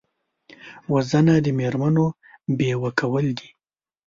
وژنه د مېرمنو بیوه کول دي